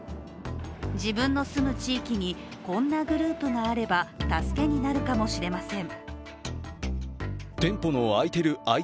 自分の住む地域にこんなグループがあれば助けになるかもしれません。